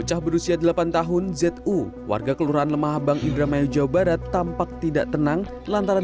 kucah berusia delapan tahun zu warga kelurahan lemahabang idramayu jawa barat tampak tidak tenang lantaran